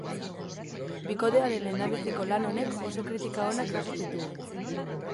Bikotearen lehendabiziko lan honek oso kritika onak jaso zituen.